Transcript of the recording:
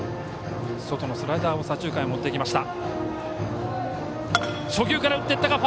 外のスライダーを左中間へ持っていきました。